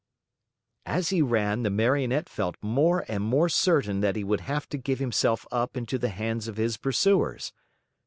As he ran, the Marionette felt more and more certain that he would have to give himself up into the hands of his pursuers.